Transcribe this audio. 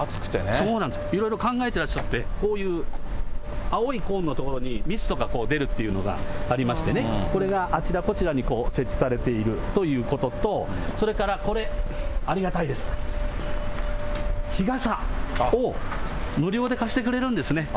そうなんです、いろいろ考えてらっしゃって、こういう青いコーンの所にミストが出るっていうのがありましてね、これがあちらこちらに設置されているということと、それからこれ、ありがたいです、日傘を無料で貸してくれるんですね。